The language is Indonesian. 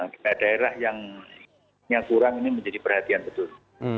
daerah daerah yang kurang ini menjadi perhatian betul